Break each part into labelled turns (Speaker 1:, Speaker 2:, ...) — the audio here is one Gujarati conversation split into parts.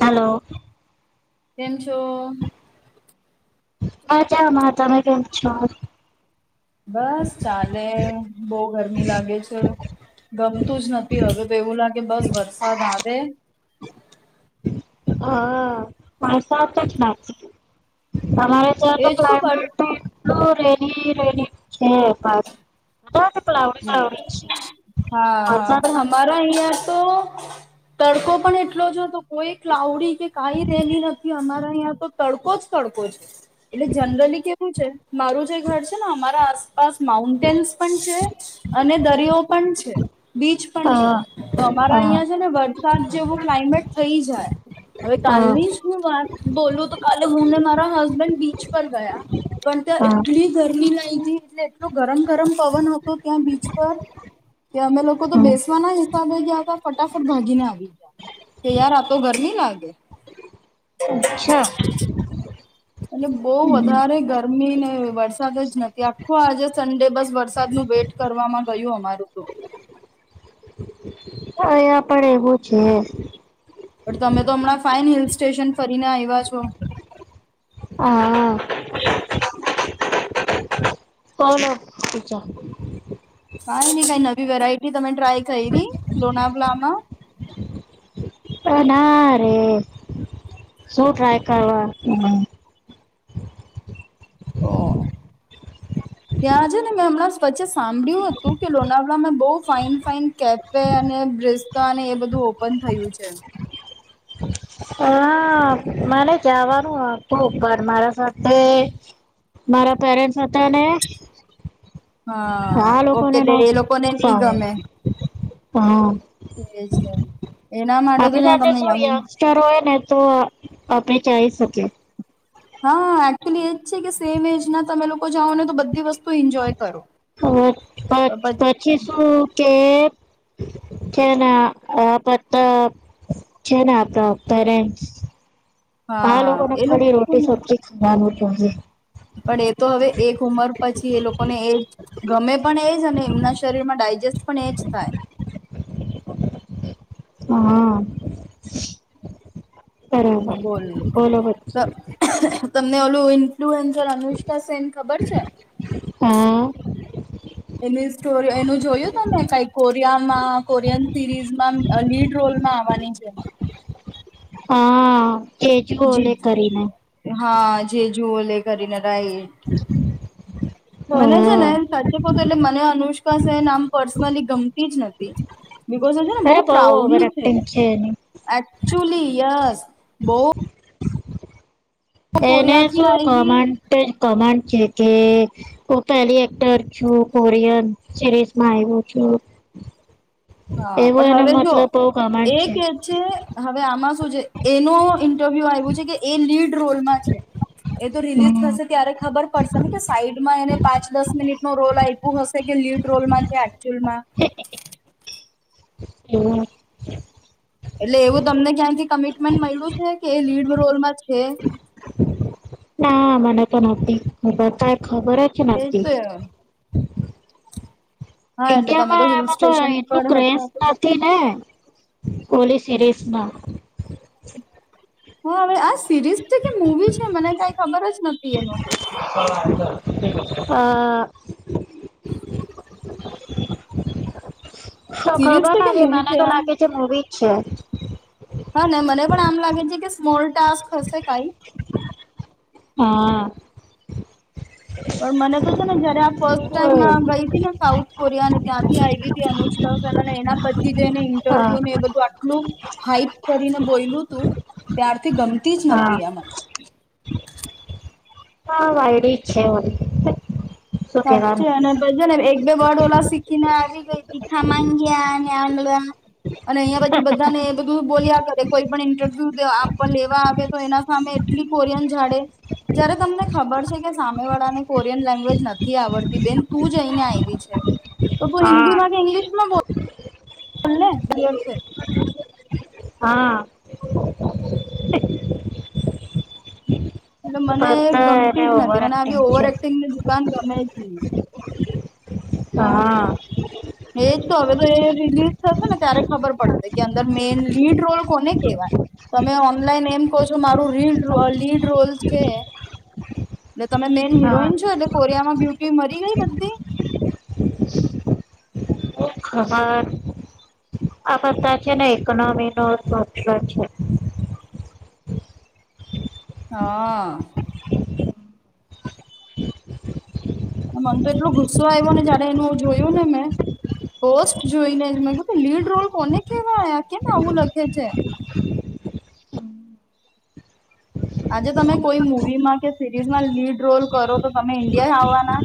Speaker 1: હલો
Speaker 2: તેમમ છો
Speaker 1: મજમાં તમે કેમ છો?
Speaker 2: બસ ચાલે બહ ગરમી લાગે છે. ગમતું જ નથી હવેું તો એવું લાગે બસ વરસાદ આવે.
Speaker 1: હ માસા તો જ ના અમારે ત્યા તો
Speaker 2: એજ
Speaker 1: ક્લાઇમેટ
Speaker 2: નહી
Speaker 1: ઇ રેલી રેલી છે. ક્લાઉડી ક્લાઉડી જ છે
Speaker 2: હા હા
Speaker 1: વરસાદ
Speaker 2: પણ
Speaker 1: નથી પડતો.
Speaker 2: હરા યા તો તડકો પણ એટલો જ હતો કોઈ ક્લાઉડી કે કઈ રહેલી નથી અમારા અ્યાં તો તડકો જ તડકો જ એટલે જનરલી કે શ છે મારું જે ઘર છે ને અમારા આસપાસ માઉન્ટેન્સ પણ છે અને દરિયો પણ છે. બીચ પણ છે
Speaker 1: હા
Speaker 2: તો અમારા
Speaker 1: હા
Speaker 2: અહિયાં છે ને વરસાદ જેવું ક્લાઇમેટ થઈ જાય. હવે
Speaker 1: હા
Speaker 2: કાલની હું વાત બોલું તો કાલે હુંને મારા હસબેન્ડ બીચ પર ગયા. પણ ત્યાં
Speaker 1: હા
Speaker 2: એટલી ગરમી લાગી ગ એટલે એટલો ગરમ ગરમ પવન હતો ત્યાં બીચ પર કે અમે લોકો તો
Speaker 1: હા.
Speaker 2: બેસવાના જ હિસાબે ગયા હતા ફટાફટ ભાગીને આવી ગયા. કે યાર આતો ઘર નની લાગે.
Speaker 1: અચ્છા.
Speaker 2: એટલે બહ વધારે ગર ગરમી ને વરસાદ જ નથી આખો આજે સડે બસ વરસાદ નું વેટ કરવામાં ગયું અમારું તો [inaudible]
Speaker 1: [inaudible] અહયા પણ એવું છે.
Speaker 2: પણ તમે તો હમણાં ફાાઈન હિલ સ્ટેશન ફરીને આવ્યા છો.
Speaker 1: હા. [unintelligible]
Speaker 2: કઈ નઈ કઈ નવી વેરાઈટી તમે ટ્રાય કરી લોનાવલામાં.
Speaker 1: અ ના રે શું ટ્રાય કરવા
Speaker 2: [inaudible] ત્યાં છેે ને મેં હમણાં વચ્ચે સાંભળ્યું હતું કે લનાવળમાંં બહુ ફાાઈન ફાાઈન કેફે અને રસ્તા અને એ બધું ઓપન થયું છે.
Speaker 1: હા, મને જવાનું હતું પણ મારા સાથે મારા પેરેન્ટ્સ હતાને.
Speaker 2: હા
Speaker 1: આ
Speaker 2: ઓકે
Speaker 1: લોકોને ન
Speaker 2: એટલે એ લોકોને નહી
Speaker 1: ફમે
Speaker 2: ગમે
Speaker 1: હા.
Speaker 2: એ છે એના માટે તો
Speaker 1: આપણી
Speaker 2: જો
Speaker 1: સાથે
Speaker 2: તમને
Speaker 1: શું
Speaker 2: આવુ
Speaker 1: યંગસ્ટર ને તો આપણે ચાલી શકીએ.
Speaker 2: હા, એકચુલી એજ છે કે, સેમ એજ ના તમે લોકો? જાઓ ને, તો બધી વસ્તુ એન્જોય કરો.
Speaker 1: હવે પછ પછી
Speaker 2: [unintelligible]
Speaker 1: છેને, પતા છે ને, આપણા પેરેન્ટસ. હા, લોકોને
Speaker 2: એ
Speaker 1: ખાલી રોટી
Speaker 2: લોકોને
Speaker 1: સબજી ખાવા પીવા.
Speaker 2: પણ, એ તો હવે એક ઉમર પછી, એ લોકોને એ. ગમે, પણ એજ, અને એમના શરીર માં ડાયજેસ્ટ પણ એજ થાય.
Speaker 1: હા. બરાબર,
Speaker 2: બોલ
Speaker 1: બોલો.
Speaker 2: ફ્લુએન્સર અનુષ્કા સેન ખબર છે.
Speaker 1: હા
Speaker 2: એની, સોરી, એનું જોયું તમે, કઈ કોરિયામાં, કોરિયન સિરીઝમાં લીડ રોલ. માં આવવાની છે.
Speaker 1: હા, કેજુ ઓલે
Speaker 2: જીત
Speaker 1: કરીને.
Speaker 2: હા, જે જુઓ લે કરીને. રાઈટ
Speaker 1: [unintelligible]
Speaker 2: મને છે
Speaker 1: હા
Speaker 2: ને, સાચું કહુ તો, એટલે મને અનુષ્કા સેન આમ પર્સનલી ગમતી જ નથી. બિકોઝ છે ને, બહુ
Speaker 1: અરે
Speaker 2: પ્રાઉડ
Speaker 1: ઓવર
Speaker 2: છે,
Speaker 1: એક્ટિંગ એની
Speaker 2: એકચુલી, યસ. બહુ
Speaker 1: એને
Speaker 2: કોરિયાથી
Speaker 1: શું,
Speaker 2: આયવી
Speaker 1: કન્ટ કમાન્ટ છે કે? હું પેલી એક્ટર છું, કોરિયન સિરીઝમાં આવું છું.
Speaker 2: હા,
Speaker 1: એવું
Speaker 2: પણ
Speaker 1: એને
Speaker 2: હવે જો
Speaker 1: મતલબ બહુ કમાન્ડ
Speaker 2: એ કે છે, હવે આમાં. શુ છે, એનો ઇન્ટરવ્યુ આવ્યું છે કે એ લીડ રોલમાં છે? એ તો રિલીઝ
Speaker 1: હમ
Speaker 2: થશે ત્યારે ખબર પડશે ને, કે સાઈડમાં એને પાંચ દસ મિનિટ નો રોલ આપ્યો હશે કે. લીડ રોલમાં કેચુઅલમાં
Speaker 1: [unintelligible]
Speaker 2: એટલે, એવું તમને ક્યાંથી કમિટમેન્ટ મળ્યું છે કે એ લીડ રોલમાં છે?
Speaker 1: ના મને તો નથી ખબર, કંઈ ખબર જ
Speaker 2: એજ
Speaker 1: નથી.
Speaker 2: તો હા એટલે તમે
Speaker 1: ઈન્ડિયામાં,
Speaker 2: હિલ
Speaker 1: એમાં તો
Speaker 2: સ્ટેશન
Speaker 1: એટલું
Speaker 2: પર
Speaker 1: ક્રેસ
Speaker 2: હતા તો
Speaker 1: નથી ને ઓલી સરીઝમાં
Speaker 2: હા, હવે આ સિરીઝ છે કે મૂવી છે, મને કંઈ ખબર જ નથી એનું. તો
Speaker 1: આ આ [unintelligible]
Speaker 2: [unintelligible]
Speaker 1: તો,
Speaker 2: સિરીઝ
Speaker 1: ખબર
Speaker 2: છે કે
Speaker 1: ના,
Speaker 2: મૂવી
Speaker 1: મને તો
Speaker 2: આ
Speaker 1: લાગે છે, મૂવી જ છે.
Speaker 2: હા ને, મને પણ આમ લાગે છે કે સ્મોલ ટાસ્ક હશે કંઈ.
Speaker 1: હા.
Speaker 2: પણ મને તો છે ને, જયારે આ ફર્સ્ટ
Speaker 1: ઓય.
Speaker 2: ટાઈમ ગઈ હતી ને, સાઉથ. કોરયા ત્યાંથી આવી હતી અનુષ્કા સેન, અને એના પછી જેને
Speaker 1: હા
Speaker 2: ઇન્ટરવ્યુ ને એ બધું આટલું. હાઈપ કરીને બોયલું તું, ત્યારથી ગમતી જ
Speaker 1: હા
Speaker 2: નથી આ મને.
Speaker 1: હા, વાયરી છે વળી.
Speaker 2: સાચુ, એને તો એક એ બડોલા શીખીને આવી ગઈ ખામાંંગી અને આલન [inaudible] અને અહીં પછી, બધા ને એ બધું બોલ્યા કરે, કોઈ પણ ઇન્ટરવ્યુ આપવા લેવા આવે, તો એના સામે. આટલી કોરિયન જાડે, જ્યારે તમને ખબર છે કે સામે વાળાને કોરિયન લેંગ્વેજ નથી. આવડતી, બેન, તું જઈને આવી છે, તો તું
Speaker 1: હા
Speaker 2: હિન્દી માં કે ઇંગ્લિશ માં બોલ. બને બલ છે.
Speaker 1: હા
Speaker 2: એટલે મને
Speaker 1: પત્તર
Speaker 2: ગમતી જ નથી
Speaker 1: ઓવર
Speaker 2: મને આવી
Speaker 1: એક્ટિંગ
Speaker 2: ઓવર
Speaker 1: છે
Speaker 2: એક્ટિંગની દુકાન ગમે જ નહી, તો
Speaker 1: હા,
Speaker 2: એજ તો હવે તો એ રિલીઝ થશે ને ત્યારે ખબર પડશે કે અંદર મેઈન લીડ રોલ કોને કેહેવાય, તમે ઓનલાઈન એમ કહો છો મારું રીડ લીડ રોલ છે,
Speaker 1: [unintelligible]
Speaker 2: એટલે તમે મેન
Speaker 1: હા
Speaker 2: હિરોઈન છો એટલે કોરિયામાં બ્યુટી મરી ગઈ બધી
Speaker 1: ખબર આ બધા છે ને ઇકોનોમી નોટ છે,
Speaker 2: હા મન તો એટલો ગુસ્સો આવ્યો ને જયારે એનું જોયું ને મેં પોસ્ટ જોઈને જ મે લીડ રોલ કોને કેવા કેને આવું લખે છે,
Speaker 1: [unintelligible]
Speaker 2: આજે તમે કોઈ મુવીમાં કે સિરીઝમાં લીડ રોલ કરો, તો તમે ઈન્ડિયા આવવાના?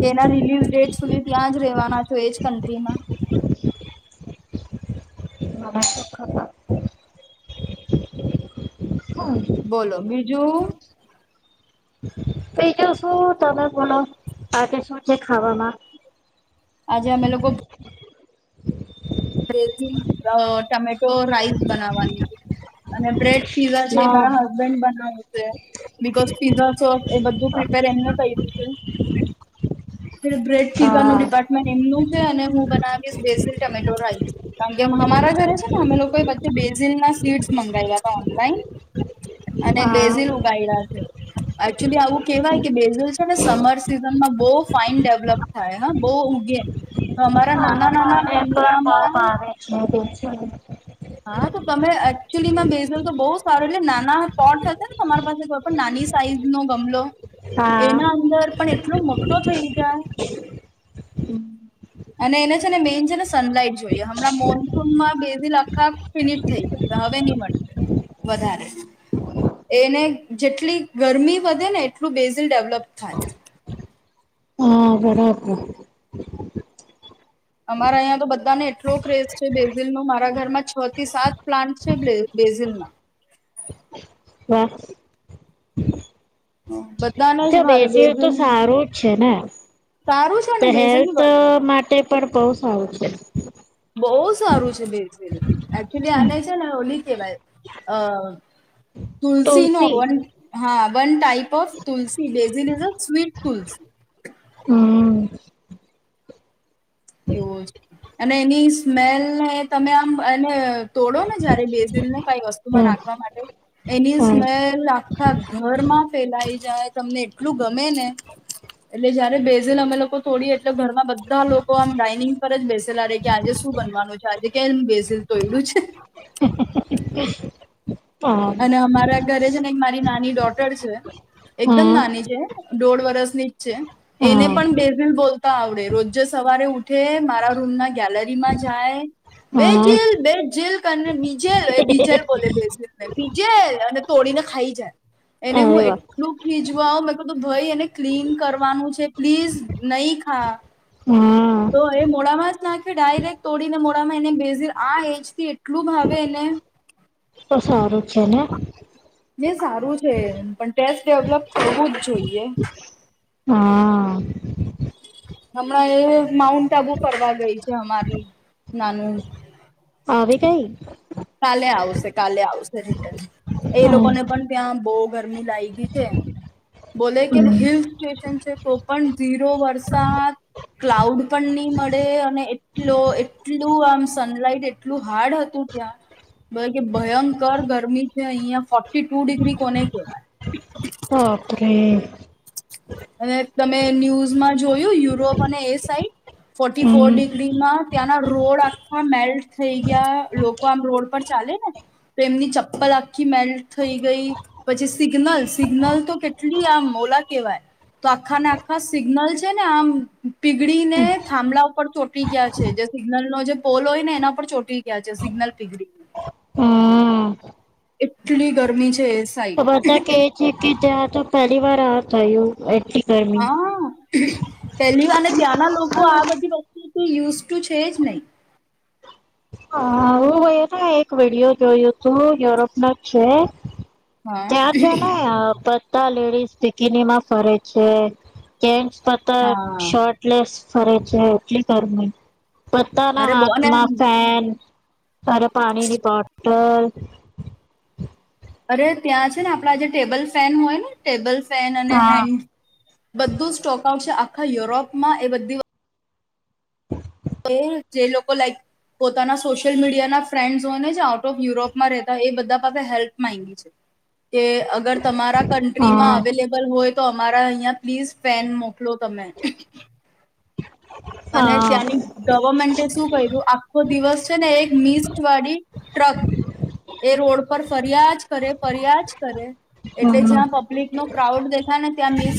Speaker 2: કેના રિલીઝ ડેટ સુધી ત્યાં જ રેવાના છો? એજ કન્ટ્રીમાં
Speaker 1: મને શું ખબર હમ
Speaker 2: બોલો બીજું,
Speaker 1: બીજો શું તમે બોલો આજે શું છે, ખાવામાં?
Speaker 2: આજે હમે લોકો થી ટમેટો રાઈસ બનાવવાની છે, અને બ્રેડ પીઝા છે
Speaker 1: ના
Speaker 2: મારા હસબન્ડ બનાવું છે. બકોઝ પીઝાો એ બધું પ્રિપેર એમને ક્યું છે, બ્રેડ
Speaker 1: હા
Speaker 2: પીઝાનું ડિપાર્ટમેન્ટ એમનું છે અને હું બનાવીશઝલ કારણ કે અમારા ઘરે છે ને અમે લોકો બેઝિલ ના સ્વીડ મંગાવ્યા હતા ઓનલાઈન અને
Speaker 1: હા
Speaker 2: બેઝિલ ઉગાઈ્યા છે, એકચુલી આવું કેહેવાય કે બેઝલ છે ને સમર સિઝનમાં બહુ ફાઈન ડેવલપ થાય, હા બહ અ નાના નાના ગ
Speaker 1: આવે છે.
Speaker 2: હા તો તમે એકચુલીમાં બેસલ તો બઉુ સારું એટલે નાના પોટ હશે, ને તમારી પાસે કોઈ પણ નાની સાઈઝ નો ગમલો
Speaker 1: હા
Speaker 2: એના અંદર પણ એટલો મોટો થઈ જાય,
Speaker 1: હમ્મ
Speaker 2: અને એને છે ને મેન છે ને સનલાઈટ જોઈએ હમણાં મોન્સૂનમાં બેજી લ આખા ફિનિટ થઈ જશે હવે નહી મળશે, વધારે એને જેટલી ગરમી વધે ને એટલું બેઝિલ ડેવલપ થાય,
Speaker 1: હા, બરાબર
Speaker 2: અમારા અહં તો બધાને એટલો ક્રેઝ છે, બેઝિલ નો મારા ઘરમાં છ થી સાત પ્લાન્ટ છેઝ બેઝલમાં
Speaker 1: વાહ
Speaker 2: બધાને જ
Speaker 1: જો
Speaker 2: ભાવે
Speaker 1: બેસી
Speaker 2: બેેજ
Speaker 1: તો સારું જ છે ને તો હેલ્થ
Speaker 2: વસ્તુ
Speaker 1: માટે પણ બહ સારું છે,
Speaker 2: બહુ સારું છે, બે એકચુલી આને છે, ને ઓલી વાય તુલસી નો વન હા, વન ટાઈપ ઓફ તુલસી લઝલઇ અ સ્વીટ તુલસી, એવું જ અને એની સ્મેલને તમે આમ એને તોડો ને જયારે બેઝિલ ને કઈ વસ્તુમાં નાખવા માટે એની સ્મેલ આખા ઘરમાં ફેલાઈ જાય, તમને એટલું ગમે ને એટલે જયારે બેઝેલ અમે લોકો તોડી એટલે ઘરના બધા લોકો તો આમ ડાઇનિંગ પર જ બેસેલા રે કે આજે શું બનવાનું છે, આજે ક બેસેલ તો એડું છે
Speaker 1: [unintelligible]
Speaker 2: અને અમારા ઘરે છે ને મારી નાની ડોટર છે એકદમ નાની છે દોઢ વર્સની જ છે એને પણ બેઝિલ બોલતા આવડે રોજે સવારે તે મારા રૂમ ના ગેલરીમાં જાય બે જેલ બે જેલ બીજેલ એ બીજેલ બોલે બે જેલ પીજે અને તોડી ને ખાઈ જાય એને હું
Speaker 1: અરે વા
Speaker 2: એટલું ખીચવા આવ મેં કું ભાઈ એને ક્લીન કરવાનું છે પ્લીઝ નહી નઈ હા
Speaker 1: હા
Speaker 2: તો એ મોડામાં જ નાખે ડાયરેક્ટ તોડીને મોડામાં એને બેસ આ એજ થી એટલું ભાવેને
Speaker 1: તો સારું છે ને
Speaker 2: સારું છે પણ ટેસ્ટ ડેવલપ થવું જ જોઈએ
Speaker 1: હા
Speaker 2: હમણાં એ માઉન્ટ આબુ ફર ગઈ છે અમારી નાનું
Speaker 1: આવે કઈ
Speaker 2: કાલે આવશે કાલે આવશે એ
Speaker 1: હમ
Speaker 2: લોકોને પણ ત્યાં બહું ગરમી લાગી ગઈ છે. બોલે કે
Speaker 1: હમ,
Speaker 2: હિલ સ્ટેશન છે તો પણ ઝીરો વરસાદ ક્લાઉડ પણ નહી મળે, અને એટ એટલું આમ સનલાઈટ એટલું હાર્ડ હતું, ત્યાં કે ભયંકર ગરમી છે, અહિયાયા ફ ટુ ડિગ્રી કોને કહેવાય.
Speaker 1: બાપરે હમ
Speaker 2: અને તમે ન્યૂઝમાં જોયું યુરોપ અને એ સાઈડ ફોર્ટી ફોર ડિગ્રીમાં ત્યાંના રોડ આખા મેલ્ટ થઈ ગયા, લોકો આમ રોડ પર ચાલ ચાલે ને પ્રેમ ની ચપ્પલ આ મેલ્ટ થઈ ગઈ પછી સિગ્નલ સિગ્નલ તો કેટલી આમ મોલા કેહેવાય. તો આખા ને આખા સિગ્નલ છે, ને આમ પીગળી ને થાંભલા ઉપર ચોટી ગયા છે, જે સિગ્નલ નો જે ફોલોય ને એના પર ચોટી ગયા છે સિગ્નલ પીગળી
Speaker 1: હું.
Speaker 2: એટલી ગરમી છે. સાઈડ
Speaker 1: ખબર ત કે છે કે જ્યાં તો પહેલી વાર આ થયું. એટલી ગરમી
Speaker 2: હા પેલી વાર ત્યાંના લોકો આ બધી વસ્તુ તે યુઝ ટુ છે જ નહીં.
Speaker 1: હા હુંય એક નો એક વિડીયો જોયું તું યુરોપ ન જ છે. ત્યાં
Speaker 2: હા
Speaker 1: છે. ને પ લેડીઝ પિકિની માં ફરે છે, જેસ પતા
Speaker 2: હા
Speaker 1: શર્ટલેસ ફરે છે, એટલી ગરમી બતાના
Speaker 2: અરે બો ને
Speaker 1: હાથમાં [unintelligible] અરે પાણીની બોટલ
Speaker 2: અરે ત્યાં છે, ને આપડા જે ટેબલ ફેન હોય ને ટેબલ પેન અને
Speaker 1: હા
Speaker 2: હેન્ડ બધું સ્ટોક આવશે, આખા યુરોપમાં એ બધી હું જે લોકો લાઈક પોતાના સોશિયલ મીડિયાના ફ્રેન્ડસ હોય ને જે આઉટ ઓફ યુરોપમાં રહેતા એ બધા પાસે હેલ્પ માંગી છે કે અગર તમારા કન્ટ્રીમાં
Speaker 1: હા
Speaker 2: અવેલેબલ હોય તો અમારા અહીં પ્લીઝ ફેન મોક લો તમે અને
Speaker 1: હા
Speaker 2: ત્યાંની ગવર્મેન્ટે શું ક્યું આખો દિવસ છે ને એક મિસ વાળી ટ એ રોડ પર ફરિયા જ કરે ફરિયા જ કરે. એટલે
Speaker 1: હમ
Speaker 2: જ્યાં પબ્લિક નો ક્રાઉડ દેખાય ને ત્યાં મિસ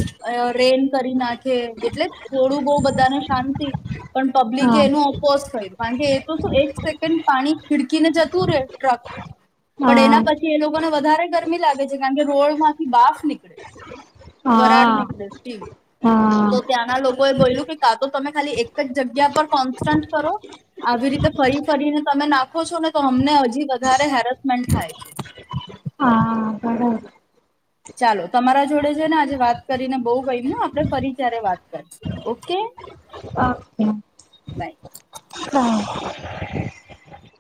Speaker 2: રેન કરી નાખે એટલે થોડું બહુ બધા ને શાંતિ પણ પબ્લિક
Speaker 1: હા
Speaker 2: એનું ઓપોઝ થયું કારણ કે એ તો શ એક સેકન્ડ પાણી ખીડકીને જતું રે ટ્રક પણ
Speaker 1: હા
Speaker 2: એના પછી એ લોકોને વધારે ગરમી લાગે છે, કારણ કે રોડમાંથી બાફ નીકળે. બરાડ
Speaker 1: હા
Speaker 2: નેકલેસ ટીમ
Speaker 1: હા
Speaker 2: તો ત્યાંના લોકોએ બોલ્યું કે કા તો તમે ખાલી એક જ જગ્યા પર કોન્સ્ટન્ટ કરો. આવી રીતે ફરી ફરીને તમે નાખો છો ને તો અમને હજી વધારે હેરસમેન્ટ થાય છે.
Speaker 1: હા. બરોબર
Speaker 2: ચાલો તમારા જોડે છે ને આજે વાત કરીને બહું વયમ આપણે ફરી ત્યારે વાત કરશું ઓકે.
Speaker 1: Okay,
Speaker 2: bye.
Speaker 1: હા.